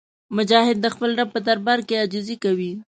مجاهد د خپل رب په دربار کې عاجزي کوي.